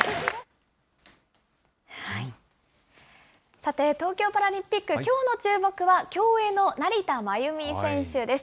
さて、東京パラリンピック、きょうの注目は、競泳の成田真由美選手です。